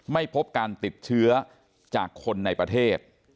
ไม่พบการติดเชื้อจากคนในประเทศ